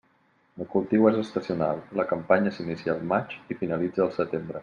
El cultiu és estacional, la campanya s'inicia al maig i finalitza al setembre.